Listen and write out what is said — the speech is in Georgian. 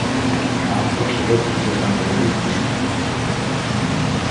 ახლოს იყოს ცისფერყანწელების ჯგუფთან.